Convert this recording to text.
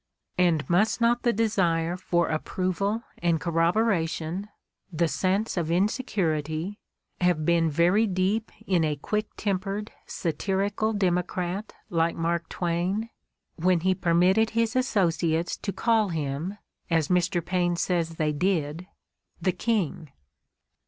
And must not the desire for approval and corroboration, the sense of insecurity, have been very deep in a quick tempered, satirical democrat like Mark Twain, when he permitted his associates to call him, as Mr. Paine says they did, "the King"?